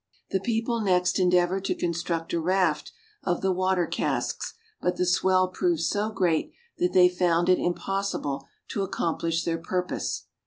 The people next endeavored to construct a raft of the water casks, but the swell proved so great that they found it impossible to accomplish their purpose.